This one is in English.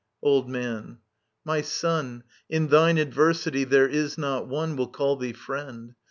Old Man. My son. In thine adversity, there is not one Will call thee friend.